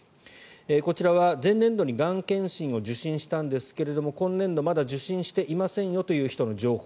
こちらは前年度にがん検診を受診したんですけれども今年度、まだ受診していませんよという人の情報。